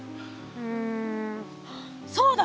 うんそうだ！